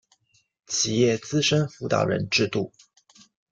企业资深辅导人制度